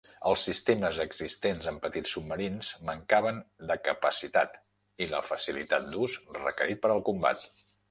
Els sistemes existents en petits submarins mancaven de capacitat i la facilitat d'ús requerit per al combat.